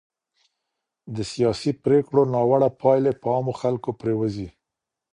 د سياسي پرېکړو ناوړه پايلې په عامو خلګو پرېوځي.